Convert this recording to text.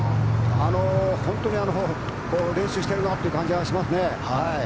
本当に練習してるなという感じがします。